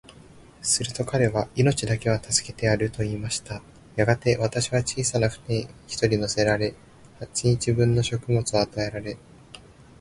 すると彼は、命だけは助けてやる、と言いました。やがて、私は小さな舟に一人乗せられ、八日分の食物を与えられ、